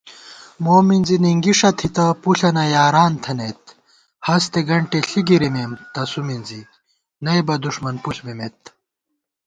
مومِنزی نِنگِݭہ تھِتہ پُݪَنہ یاران تھنَئیت * ہستےگنٹےݪِی گِرِمېم تسُو مِنزی نئبہ دُݭمن پُݪ بِمېت